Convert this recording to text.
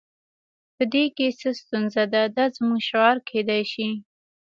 په دې کې څه ستونزه ده دا زموږ شعار کیدای شي